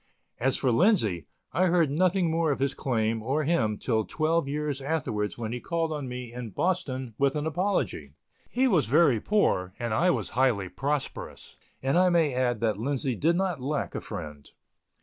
As for Lindsay, I heard nothing more of his claim or him till twelve years afterwards when he called on me in Boston with an apology. He was very poor and I was highly prosperous, and I may add that Lindsay did not lack a friend.